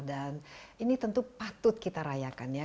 dan ini tentu patut kita rayakan ya